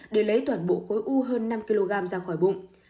để lấy toàn bộ khối u hơn năm kg ra khỏi bụng